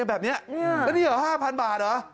แบบนี้แล้วนี่เหรอ๕๐๐บาทเหรอ